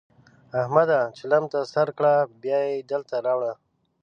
احمده! چلم ته سر کړه؛ بيا يې دلته راوړه.